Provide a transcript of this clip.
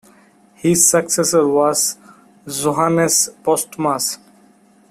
His successor was Johannes Postmus.